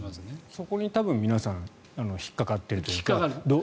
そこに多分、皆さん引っかかっている。